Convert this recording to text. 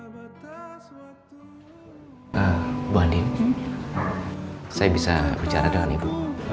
buanding saya bisa bicara dengan ibu